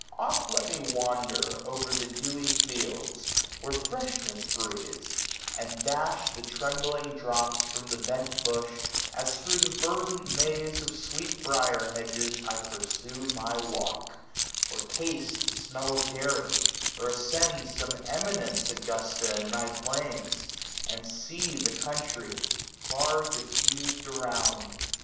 Oft let me wander o'er the dewy fields, Wherefreshness breathes; anddashthetremblingdrops From the bent bush, as thro' the verdant maze Of sweet briar hedges I pursue my walk ; X05 Or taste the smell of dairy ; or ascend Some eminence, Augusta, in thy plains ; And see the country, far diffus'd around.